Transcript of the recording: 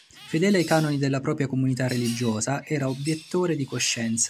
Fedele ai canoni della propria comunità religiosa, era obiettore di coscienza.